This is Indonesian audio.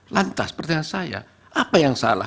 lantas pertanyaan saya apa yang salah